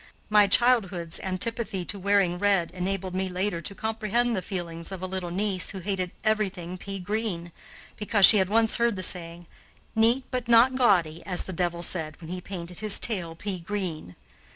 My childhood's antipathy to wearing red enabled me later to comprehend the feelings of a little niece, who hated everything pea green, because she had once heard the saying, "neat but not gaudy, as the devil said when he painted his tail pea green."